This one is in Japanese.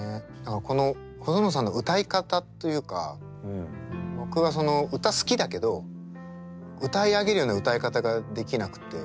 この細野さんの歌い方というか僕は歌好きだけど歌い上げるような歌い方ができなくて。